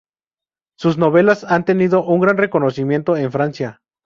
Sus novelas han tenido un gran reconocimiento en Francia.